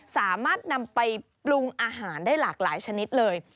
สามารถนำไปปรุงอาหารได้หลากหลายชนิดเลย